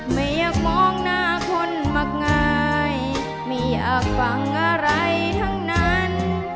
ไม่อยากมองหน้าคนมักง่ายไม่อยากฟังอะไรทั้งนั้น